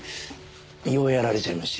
胃をやられちゃいまして。